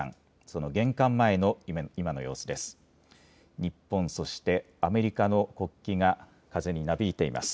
その玄関前の今の様子です。